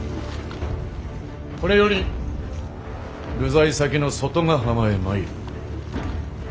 これより流罪先の外ヶ浜へ参る。